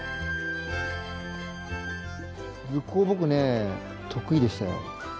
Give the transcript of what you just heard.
図工僕ね得意でしたよ。